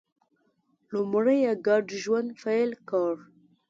لومړی یې ګډ ژوند پیل کړ